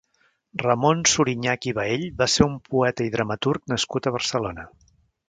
Ramon Suriñach i Baell va ser un poeta i dramaturg nascut a Barcelona.